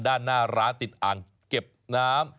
ด้านหน้าร้านติดอ่างเก็บน้ำ